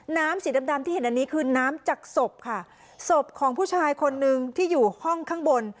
สีดำดำที่เห็นอันนี้คือน้ำจากศพค่ะศพของผู้ชายคนนึงที่อยู่ห้องข้างบน